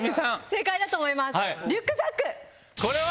正解だと思います！